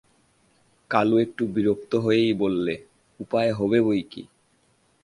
কালু একটু বিরক্ত হয়েই বললে, উপায় হবে বৈকি।